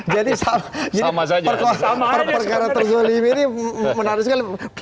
jadi perkara terzolimi ini menarik sekali